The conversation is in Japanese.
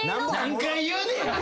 何回言うねん！